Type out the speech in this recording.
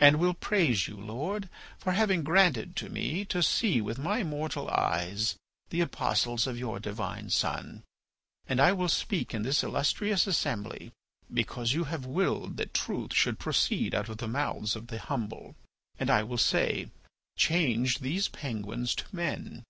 And will praise you, Lord, for having granted to me to see with my mortal eyes the Apostles of your divine Son. And I will speak in this illustrious assembly because you have willed that truth should proceed out of the mouths of the humble, and I will say: 'Change these penguins to men.